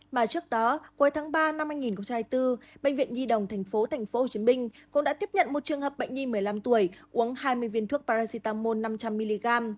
mà trước đó cuối tháng ba năm hai nghìn bốn bệnh viện di đồng tp hcm cũng đã tiếp nhận một trường hợp bệnh nhi một mươi năm tuổi uống hai mươi viên thuốc paracetamol năm trăm linh ml